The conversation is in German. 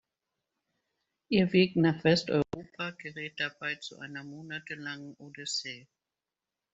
Ihr Weg nach Westeuropa gerät dabei zu einer monatelangen Odyssee.